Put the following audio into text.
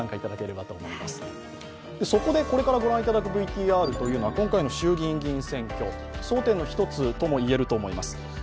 そこでこれから御覧いただくＶＴＲというのは今回の衆議院議員選挙争点の一つともいえると思います。